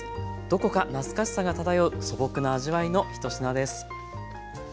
どこか懐かしさが漂う素朴な味わいの１品です。